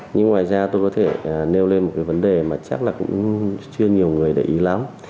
nhưng ngoài ra tôi có thể nêu lên một cái vấn đề mà chắc là cũng chưa nhiều người để ý lắm